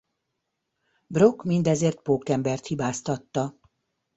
Brock mindezért Pókembert hibáztatta.